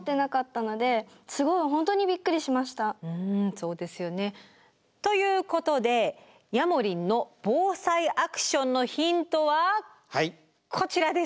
そうですよね。ということでヤモリンの「ＢＯＳＡＩアクション」のヒントはこちらです。